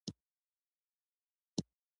ښایست د هنر زړورتیا ده